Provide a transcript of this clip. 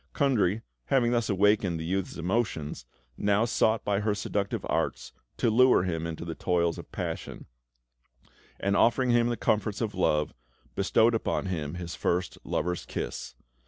Kundry, having thus awakened the youth's emotions, now sought by her seductive arts to lure him into the toils of passion; and, offering him the comforts of love, bestowed on him his first lover's kiss.